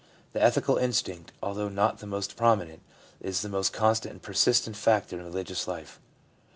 The ethical instinct^ although not the most prominent > is the most con stant and persistent factor in the religious life.